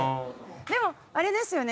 でもあれですよね？